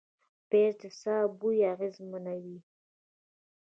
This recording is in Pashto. پیاز د ساه بوی اغېزمنوي